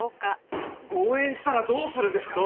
誤嚥したらどうするんですか！？